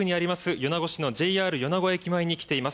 米子市のＪＲ米子駅前に来ております。